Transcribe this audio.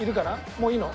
もういいの？